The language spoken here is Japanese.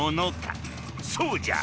そうじゃ！